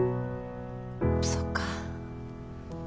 そっか。